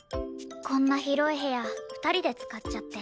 こんな広い部屋２人で使っちゃって。